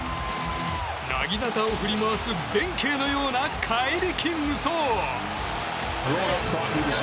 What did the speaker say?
なぎなたを振り回す弁慶のような怪力無双！